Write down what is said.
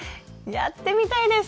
やってみたいです！